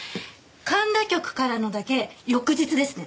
神田局からのだけ翌日ですね。